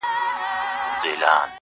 زه له فطرته عاشقي کومه ښه کومه ،